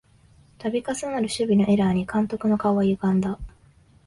たび重なる守備のエラーに監督の顔はゆがんだ